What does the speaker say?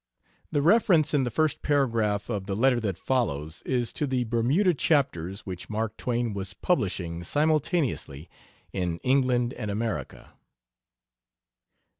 The reference in the first paragraph of the letter that follows is to the Bermuda chapters which Mark Twain was publishing simultaneously in England and America.